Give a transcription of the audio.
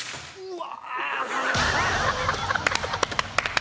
うわ！